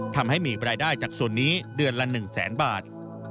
ทำให้มีรายได้จากส่วนนี้เดือนละ๑แสนบาท